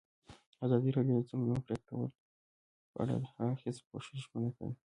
ازادي راډیو د د ځنګلونو پرېکول په اړه د هر اړخیز پوښښ ژمنه کړې.